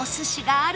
ある！？